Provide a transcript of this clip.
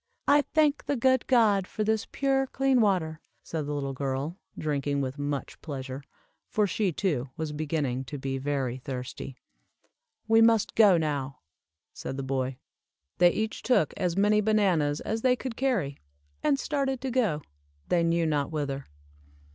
"I thank the good God for this pure, clear water," said the little girl, drinking with much pleasure, for she, too, was beginning to be very thirsty. "We must go now," said the boy. They each took as many bananas as they could carry, and started to go, they knew not whither.